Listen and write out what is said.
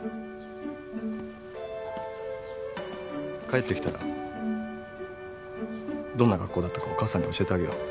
帰ってきたらどんな学校だったかお母さんに教えてあげよう。